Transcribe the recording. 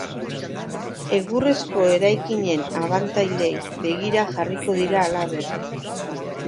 Egurrezko eraikinen abantailei begira jarriko dira halaber.